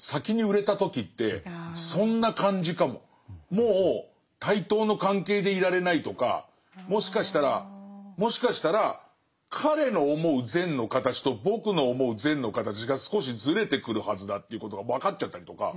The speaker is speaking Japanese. もう対等の関係でいられないとかもしかしたらもしかしたら彼の思う善の形と僕の思う善の形が少しずれてくるはずだということが分かっちゃったりとか。